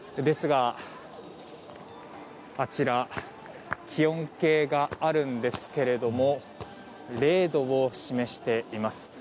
ですが、あちらに気温計があるんですが０度を示しています。